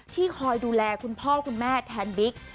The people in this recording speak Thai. คอยดูแลคุณพ่อคุณแม่แทนบิ๊ก